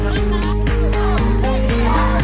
กลับมาที่นี่